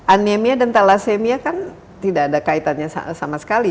anemia dan thalassemia kan tidak ada kaitannya sama sekali